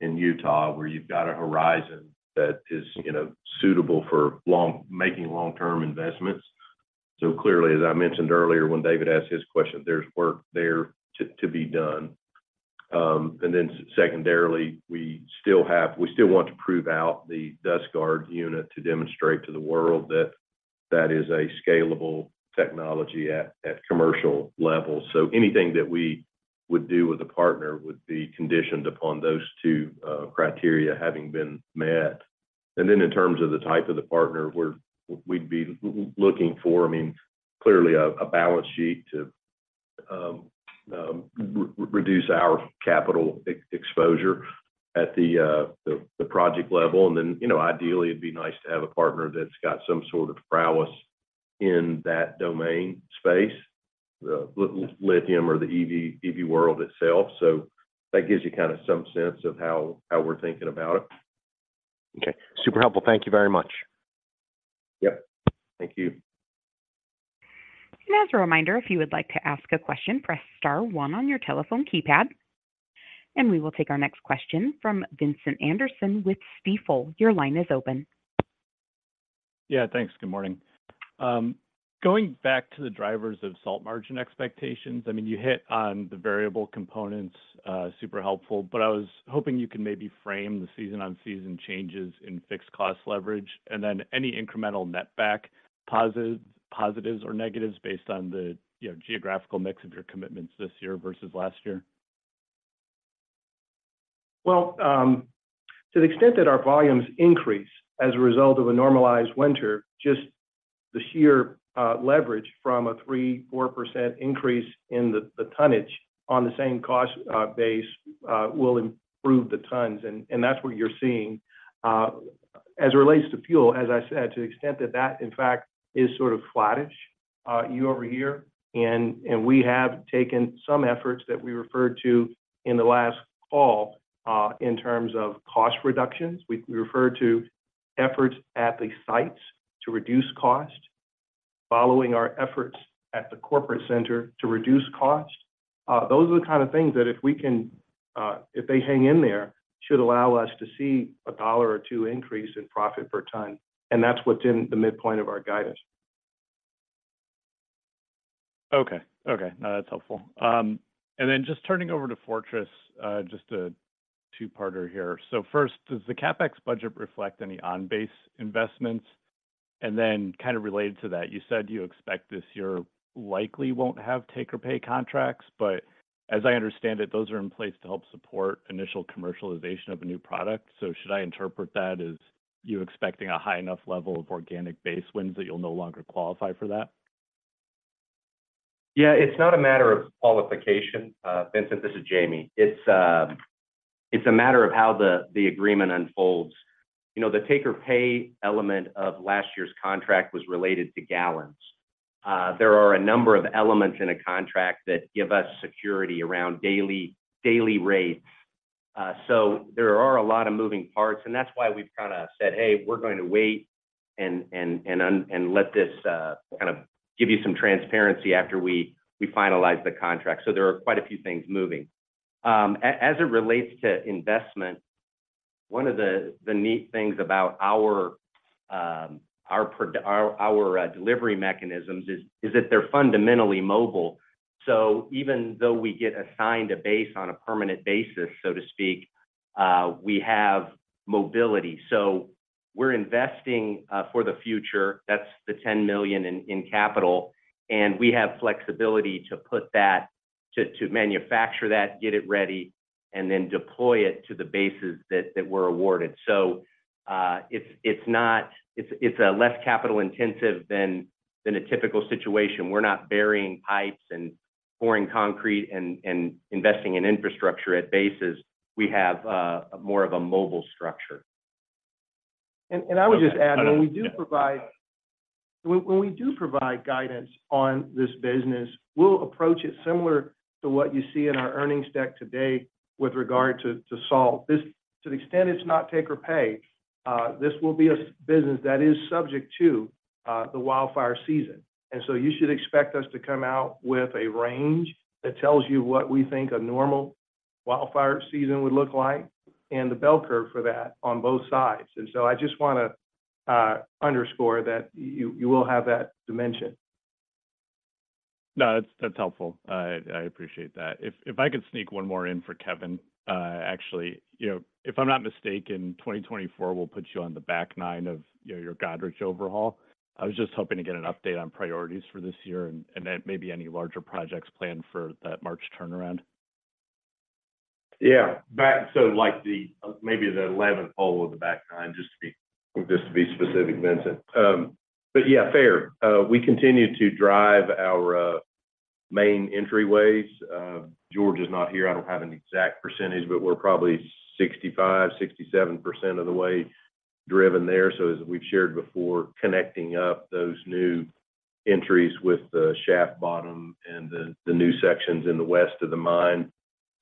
in Utah, where you've got a horizon that is, you know, suitable for making long-term investments. Clearly, as I mentioned earlier, when David asked his question, there's work there to be done. Secondarily, we still want to prove out the DLE unit to demonstrate to the world that that is a scalable technology at commercial level. Anything that we would do with a partner would be conditioned upon those two criteria having been met. In terms of the type of the partner, we'd be looking for, I mean, clearly a balance sheet to reduce our capital exposure at the project level. Then, you know, ideally, it'd be nice to have a partner that's got some sort of prowess in that domain space, the lithium or the EV world itself. That gives you kind of some sense of how we're thinking about it. Okay. Super helpful. Thank you very much. Thank you. As a reminder, if you would like to ask a question, press star one on your telephone keypad. We will take our next question from Vincent Anderson with Stifel. Your line is open. Thanks. Good morning. Going back to the drivers of salt margin expectations, I mean, you hit on the variable components, super helpful, but I was hoping you could maybe frame the season-on-season changes in fixed cost leverage, and then any incremental netback positives or negatives based on the, you know, geographical mix of your commitments this year versus last year. Well, to the extent that our volumes increase as a result of a normalized winter, just the sheer leverage from a 3% to 4% increase in the tonnage on the same cost base will improve the tons, and that's what you're seeing. As it relates to fuel, as I said, to the extent that that, in fact, is sort of flattish year-over-year, and we have taken some efforts that we referred to in the last call, in terms of cost reductions. We referred to efforts at the sites to reduce cost. Following our efforts at the corporate center to reduce costs, those are the kind of things that if we can, if they hang in there, should allow us to see a $1 or $2 increase in profit per ton, and that's what's in the midpoint of our guidance. Okay. Okay, no, that's helpful. Just turning over to Fortress, just a two-parter here. First, does the CapEx budget reflect any on-base investments? And then kind of related to that, you said you expect this year likely won't have take-or-pay contracts, but as I understand it, those are in place to help support initial commercialization of a new product. Should I interpret that as you expecting a high enough level of organic base wins that you'll no longer qualify for that? Yeah, it's not a matter of qualification. Vincent, this is Jamie. It's a matter of how the agreement unfolds. You know, the take-or-pay element of last year's contract was related to gallons. There are a number of elements in a contract that give us security around daily rates. There are a lot of moving parts, and that's why we've kind of said, "Hey, we're going to wait and let this kind of give you some transparency after we finalize the contract." So there are quite a few things moving. As it relates to investment, one of the neat things about our delivery mechanisms is that they're fundamentally mobile. Even though we get assigned a base on a permanent basis, so to speak, we have mobility. We're investing for the future. That's the $10 million in capital, and we have flexibility to put that to manufacture that, get it ready, and then deploy it to the bases that were awarded. It's less capital intensive than a typical situation. We're not burying pipes and pouring concrete and investing in infrastructure at bases. We have more of a mobile structure. I would just add, when we do provide guidance on this business, we'll approach it similar to what you see in our earnings deck today with regard to salt. This, to the extent it's not take or pay, this will be a business that is subject to the wildfire season. You should expect us to come out with a range that tells you what we think a normal wildfire season would look like and the bell curve for that on both sides. And so I just want to underscore that you will have that dimension. No, that's, that's helpful. I appreciate that. If I could sneak one more in for Kevin, actually. You know, if I'm not mistaken, 2024 will put you on the back nine of, you know, your Goderich overhaul. I was just hoping to get an update on priorities for this year and then maybe any larger projects planned for that March turnaround. Back, so, like, the, maybe the eleventh hole of the back nine, just to be, just to be specific, Vincent. But yeah, fair. We continue to drive our main entryways. George is not here. I don't have an exact percentage, but we're probably 65-67% of the way driven there. As we've shared before, connecting up those new entries with the shaft bottom and the new sections in the west of the mine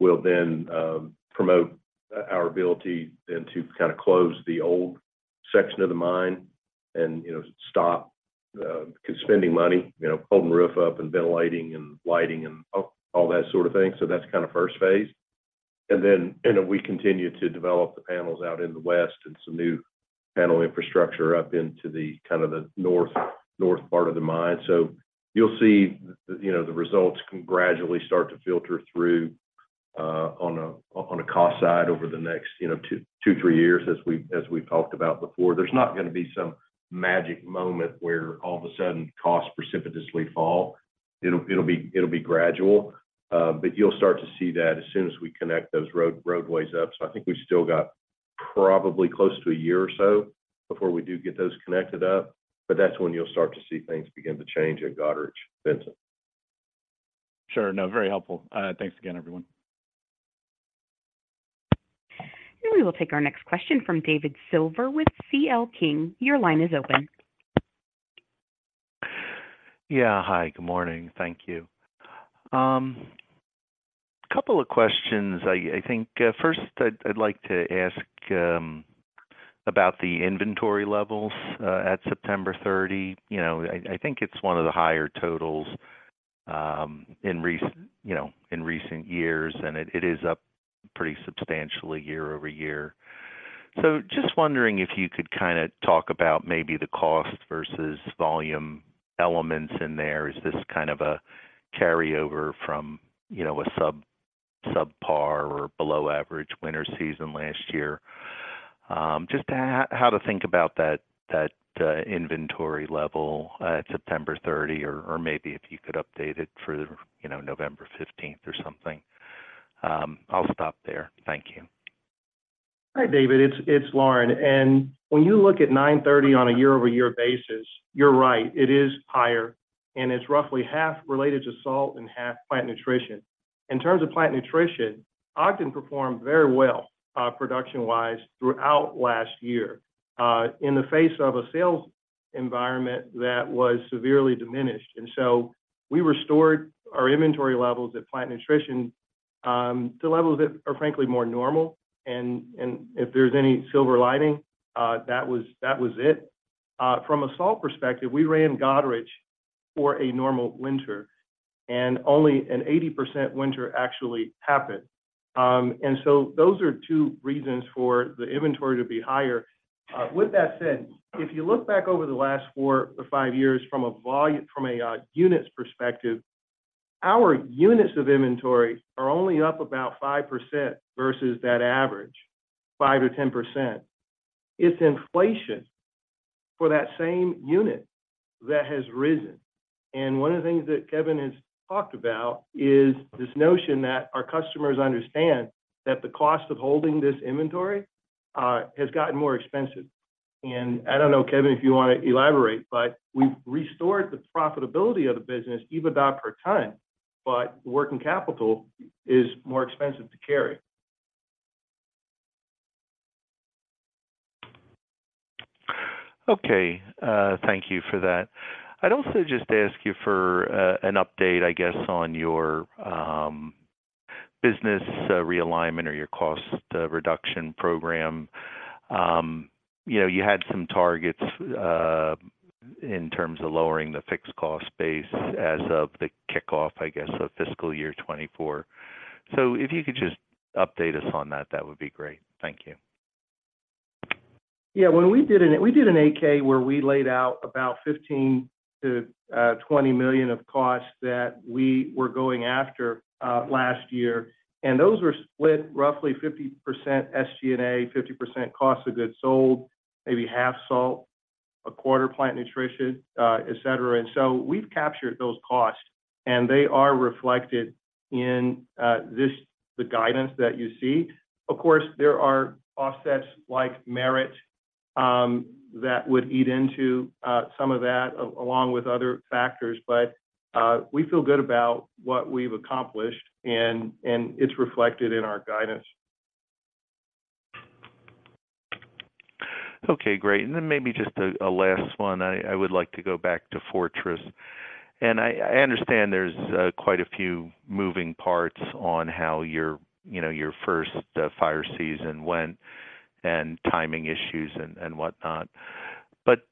will then promote our ability then to kind of close the old section of the mine and, you know, stop spending money. You know, holding the roof up and ventilating and lighting and all, all that sort of thing. So that's kind of first phase. And then we continue to develop the panels out in the west and some new panel infrastructure up into the kind of north part of the mine. You'll see the, you know, the results can gradually start to filter through on a cost side over the next, you know, two to three years, as we've talked about before. There's not going to be some magic moment where all of a sudden costs precipitously fall. It'll be gradual, but you'll start to see that as soon as we connect those roadways up.I think we've still got probably close to a year or so before we do get those connected up, but that's when you'll start to see things begin to change at Goderich. Vincent. Sure. No, very helpful. Thanks again, everyone. We will take our next question from David Silver with CL King. Your line is open. Hi, good morning. Thank you. Couple of questions. I think first, I'd like to ask about the inventory levels at September 30. You know, I think it's one of the higher totals in recent years, and it is up pretty substantially year-over-year. Just wondering if you could kind of talk about maybe the cost versus volume elements in there. Is this kind of a carryover from, you know, a subpar or below average winter season last year? Just how to think about that inventory level at September 30, or maybe if you could update it for, you know, November 15 or something. I'll stop there. Thank you. Hi, David. It's Lorin. When you look at 9/30 on a year-over-year basis, you're right, it is higher, and it's roughly half related to salt and half Plant Nutrition. In terms of Plant Nutrition, Ogden performed very well, production-wise, throughout last year, in the face of a sales environment that was severely diminished. And so we restored our inventory levels at Plant Nutrition. The levels that are frankly more normal, and if there's any silver lining, that was it. From a salt perspective, we ran Goderich for a normal winter, and only an 80% winter actually happened. And so those are two reasons for the inventory to be higher. With that said, if you look back over the last four or five years from a units perspective, our units of inventory are only up about 5% versus that average, 5% to 10%. It's inflation for that same unit that has risen. One of the things that Kevin has talked about is this notion that our customers understand that the cost of holding this inventory has gotten more expensive. And I don't know, Kevin, if you want to elaborate, but we've restored the profitability of the business, EBITDA per ton, but working capital is more expensive to carry. Okay. Thank you for that. I'd also just ask you for an update, I guess, on your business realignment or your cost reduction program. You know, you had some targets in terms of lowering the fixed cost base as of the kickoff, I guess, of fiscal year 2024. If you could just update us on that, that would be great. Thank you. We did an 8-K where we laid out about $15 to 20 million of costs that we were going after last year, and those were split roughly 50% SG&A, 50% cost of goods sold, maybe half salt, a quarter plant nutrition, etc. We've captured those costs, and they are reflected in the guidance that you see. Of course, there are offsets like merit that would eat into some of that, along with other factors. But we feel good about what we've accomplished, and it's reflected in our guidance. Okay, great. And then maybe just a last one. I would like to go back to Fortress. And I understand there's quite a few moving parts on how your, you know, your first fire season went and timing issues and whatnot. But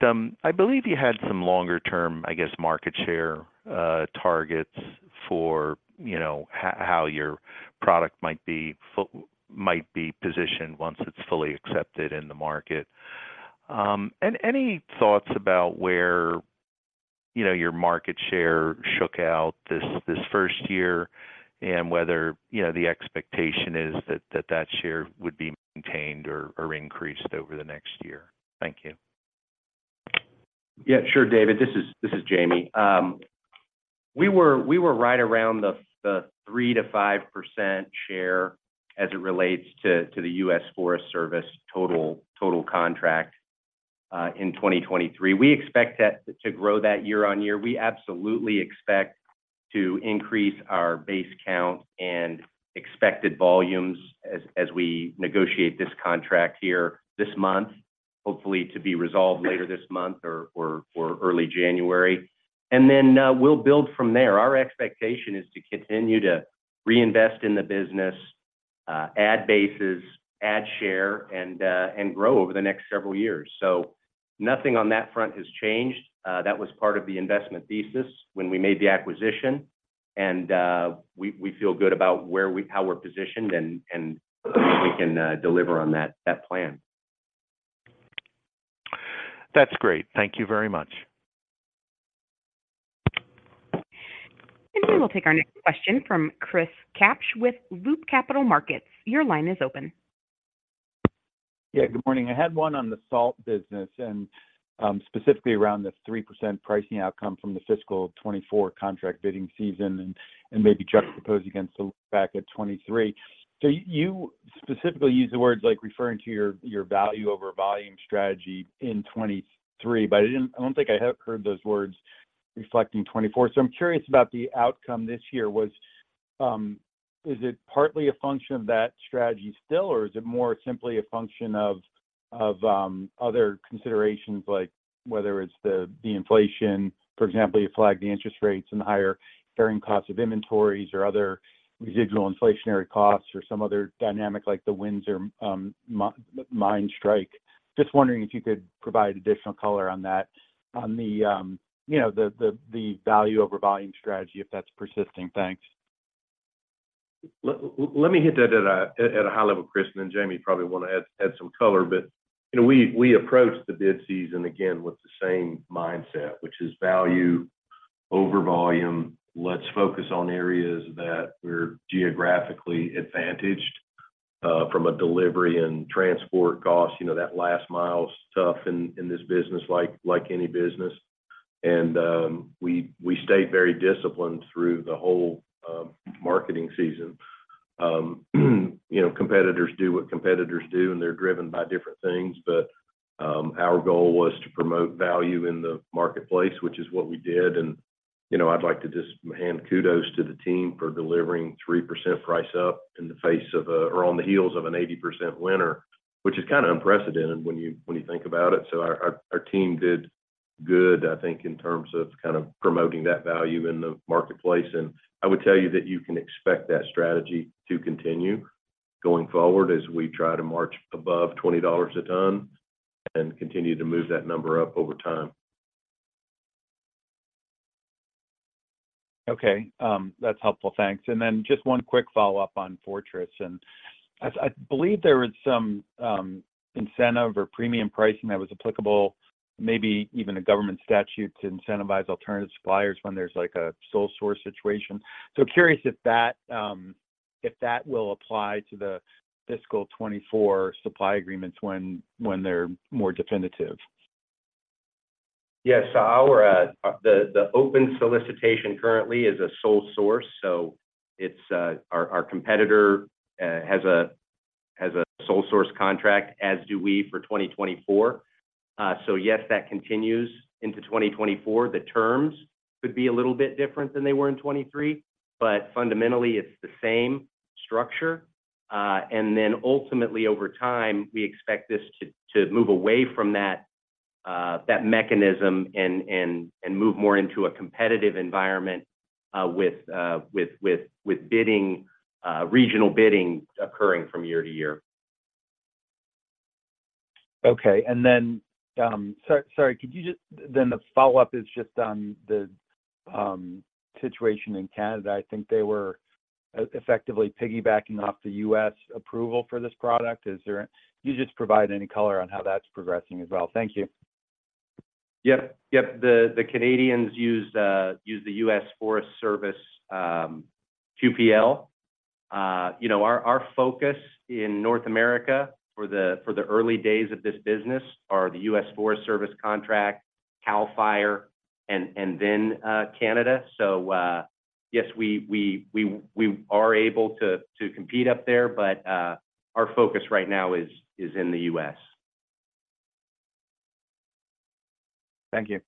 I believe you had some longer term, I guess, market share targets for, you know, how your product might be positioned once it's fully accepted in the market. And any thoughts about where, you know, your market share shook out this first year and whether, you know, the expectation is that share would be maintained or increased over the next year? Thank you. Sure, David. This is Jamie. We were right around the 3% to 5% share as it relates to the U.S. Forest Service total contract in 2023. We expect that to grow year-over-year. We absolutely expect to increase our base count and expected volumes as we negotiate this contract here this month, hopefully to be resolved later this month or early January. We'll build from there. Our expectation is to continue to reinvest in the business, add bases, add share, and grow over the next several years. So nothing on that front has changed. That was part of the investment thesis when we made the acquisition, and we feel good about where we. how we're positioned and we can deliver on that plan. That's great. Thank you very much. We will take our next question from Chris Kapsch with Loop Capital Markets. Your line is open. Good morning. I had one on the salt business and, specifically around the 3% pricing outcome from the fiscal 2024 contract bidding season and, maybe juxtapose against the back at 2023. You specifically use the words like, referring to your value over volume strategy in 2023, but I didn't I don't think I have heard those words reflecting 2024. I'm curious about the outcome this year. Was, is it partly a function of that strategy still, or is it more simply a function of other considerations, like whether it's the inflation, for example, you flagged the interest rates and the higher carrying cost of inventories or other residual inflationary costs or some other dynamic, like the Windsor mine strike? Just wondering if you could provide additional color on that, you know, the value over volume strategy, if that's persisting. Thanks. Let me hit that at a high level, Chris, and then Jamie probably want to add some color. But, you know, we approached the bid season again with the same mindset, which is value over volume. Let's focus on areas that we're geographically advantaged from a delivery and transport cost. You know, that last mile is tough in this business, like any business. We stayed very disciplined through the whole marketing season. You know, competitors do what competitors do, and they're driven by different things. But our goal was to promote value in the marketplace, which is what we did. And, you know, I'd like to just hand kudos to the team for delivering 3% price up. In the face of, or on the heels of an 80% winter, which is kind of unprecedented when you think about it. Our team did good, I think, in terms of kind of promoting that value in the marketplace. I would tell you that you can expect that strategy to continue going forward as we try to march above $20 a ton and continue to move that number up over time. Okay, that's helpful. Thanks. And then just one quick follow-up on Fortress, and I believe there was some incentive or premium pricing that was applicable, maybe even a government statute to incentivize alternative suppliers when there's, like, a sole source situation. Curious if that will apply to the fiscal 2024 supply agreements when they're more definitive? Our, the open solicitation currently is a sole source, so it's our competitor has a sole source contract, as do we for 2024. Yes, that continues into 2024. The terms could be a little bit different than they were in 2023, but fundamentally, it's the same structure. Ultimately, over time, we expect this to move away from that mechanism and move more into a competitive environment with bidding, regional bidding occurring from year to year. Sorry, could you just, then the follow-up is just on the situation in Canada. I think they were effectively piggybacking off the U.S. approval for this product. Is there... Can you just provide any color on how that's progressing as well? Thank you. The Canadians use the U.S. Forest Service QPL. You know, our focus in North America for the early days of this business are the U.S. Forest Service contract, CAL FIRE, and then Canada. So, yes, we are able to compete up there, but our focus right now is in the U.S. Thank you.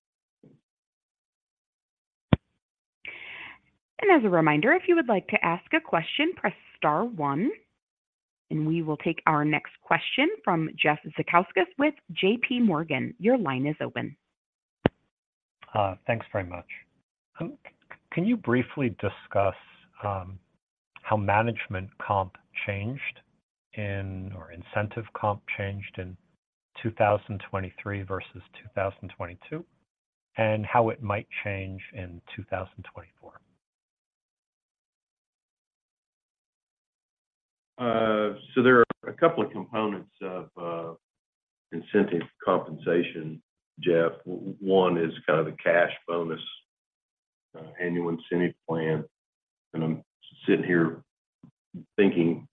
As a reminder, if you would like to ask a question, press star one, and we will take our next question from Jeff Zekauskas with JPMorgan. Your line is open. Thanks very much. Can you briefly discuss how management comp changed, or incentive comp changed, in 2023 versus 2022, and how it might change in 2024? There are a couple of components of incentive compensation, Jeff. One is kind of a cash bonus, annual incentive plan, and I'm sitting here thinking,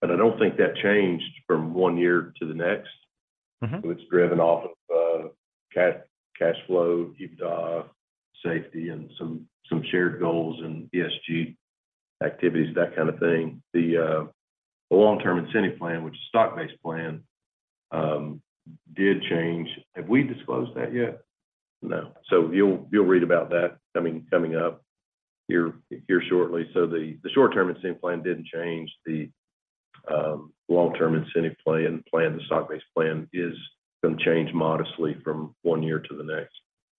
but I don't think that changed from one year to the next. It's driven off of cash flow, EBITDA, safety, and some shared goals and ESG activities, that kind of thing. The long-term incentive plan, which is stock-based plan, did change. Have we disclosed that yet? No. You'll read about that coming up here shortly. The short-term incentive plan didn't change. The long-term incentive plan, the stock-based plan, is gonna change modestly from one year to the next,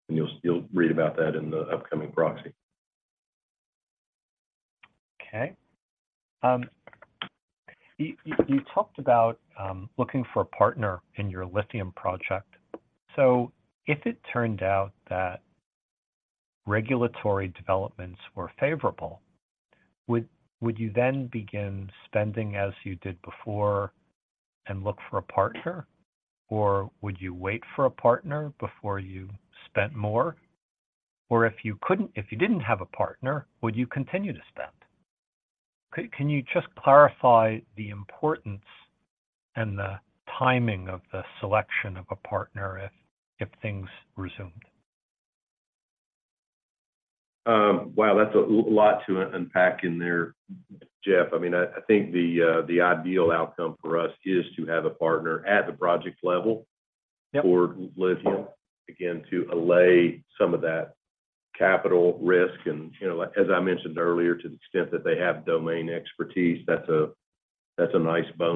and you'll read about that in the upcoming proxy. Okay. You talked about looking for a partner in your lithium project. If it turned out that regulatory developments were favorable, would you then begin spending as you did before and look for a partner, or would you wait for a partner before you spent more? Or if you couldn't, if you didn't have a partner, would you continue to spend? Can you just clarify the importance and the timing of the selection of a partner if things resumed? Wow, that's a lot to unpack in there, Jeff. I think the ideal outcome for us is to have a partner at the project level for lithium, again, to allay some of that capital risk. You know, as I mentioned earlier, to the extent that they have domain expertise, that's a, that's a nice bonus.